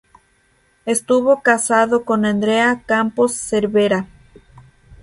Estuvo casado con Andrea Campos Cervera.